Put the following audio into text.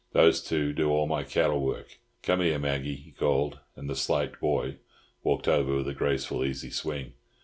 Those two do all my cattle work. Come here, Maggie," he called, and the slight "boy" walked over with a graceful, easy swing.